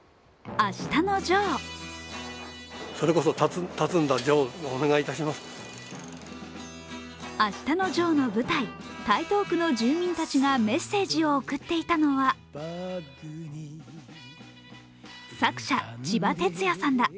「あしたのジョー」の舞台、台東区の住民たちがメッセージを送っていたのは、作者、ちばてつやさんだ。